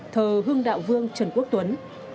thờ hưng đạo vương trần quốc tuấn